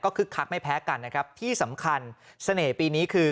คึกคักไม่แพ้กันนะครับที่สำคัญเสน่ห์ปีนี้คือ